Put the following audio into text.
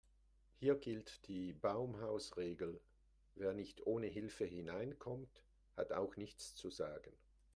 Hier gilt die Baumhausregel: Wer nicht ohne Hilfe hineinkommt, hat auch nichts zu sagen.